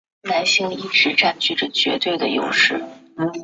俄式压水反应炉所研发的压水反应炉。